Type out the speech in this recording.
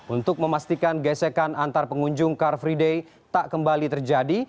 untuk memastikan gesekan antar pengunjung car free day tak kembali terjadi